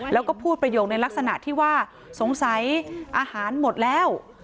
แล้วก็พูดประโยคในลักษณะที่ว่าสงสัยอาหารหมดแล้ว